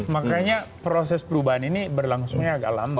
makanya proses perubahan ini berlangsungnya agak lambat